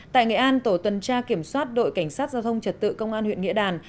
tại nghệ an tổ tuần tra kiểm soát đội cảnh sát giao thông trật tự công an huyện nghĩa đàn